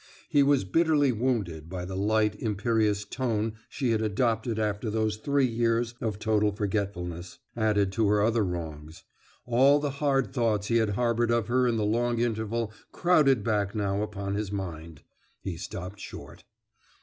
He was bitterly wounded by the light, imperious tone she had adopted after those three years of total forgetfulness, added to her other wrongs. All the hard thoughts he had harbored of her in the long interval crowded back now upon his mind. He stopped short.